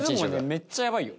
めっちゃやばいよ。